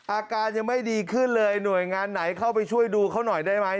อาการยังไม่ดีขึ้นเลยหน่วยงานไหนเข้าไปช่วยดูเขาหน่อยได้ไหม